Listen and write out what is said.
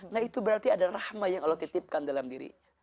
nah itu berarti ada rahma yang allah titipkan dalam dirinya